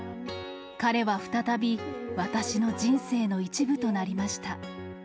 彼は再び、私の人生の一部となりました。